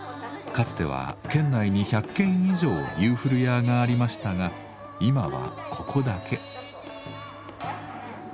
かつては県内に１００軒以上ゆーふるやーがありましたが今はここだけ。